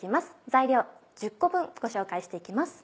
材料１０個分ご紹介して行きます。